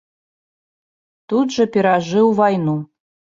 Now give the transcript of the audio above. Тут жа перажыў вайну.